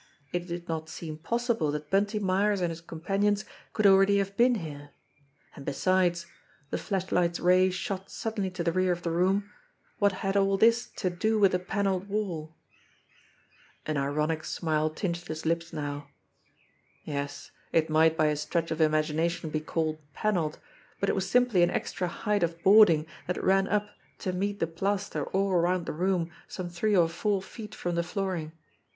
It did not seem possible that Bunty Myers and his companions could already have been here. And besides the flashlight's ray shot suddenly to the rear of the room what had all this to do with the panelled wall ? An ironic smile tinged his lips now. Yes, it might by a stretch of imagination be called panelled, but it was simply an extra height of boarding thafc ran up to meet the plaster all around the room some three or four feet from the flooring.